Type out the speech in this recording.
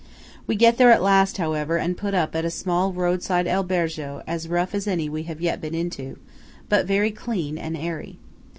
We get there at last, however, and put up at a small road side albergo as rough as any we have yet been into, but very clean and airy.